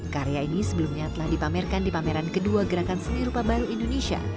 karya ini sebelumnya telah dipamerkan di pameran kedua gerakan seni rupa baru indonesia